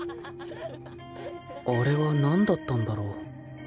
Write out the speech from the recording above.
あれは何だったんだろう？